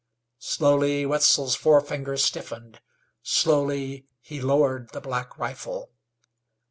Slowly Wetzel's forefinger stiffened; slowly he lowered the black rifle.